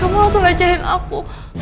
kamu langsung becain aku